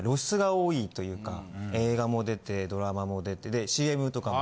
映画も出てドラマも出てでＣＭとかも。